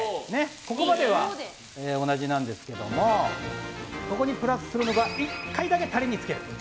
ここまでは同じなんですけどもここにプラスするのが１回だけタレにつける。